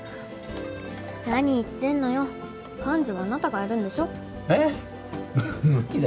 何言ってんのよ幹事はあなたがやるんでしょえっ？